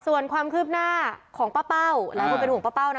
ส่วนความคืบหน้าของป้าเป้าหลายคนเป็นห่วงป้าเป้านะ